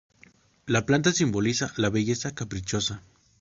La planta simboliza la belleza caprichosa.